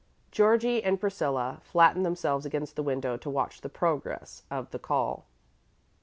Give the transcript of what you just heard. Georgie and Priscilla flattened themselves against the window to watch the progress of the call.